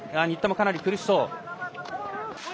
新田もかなり苦しそう。